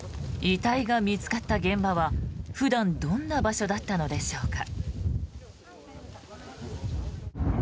遺体が見つかった現場は普段どんな場所だったのでしょうか。